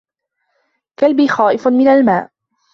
كلبي خائف من الماء